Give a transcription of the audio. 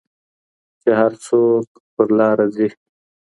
چي هر څوک پر لاري ځي